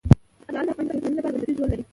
لعل د افغانستان د ټولنې لپاره بنسټيز رول لري.